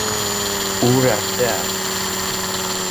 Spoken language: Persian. او رفته است.